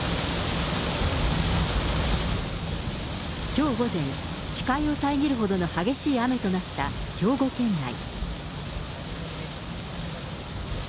きょう午前、視界を遮るほどの激しい雨となった兵庫県内。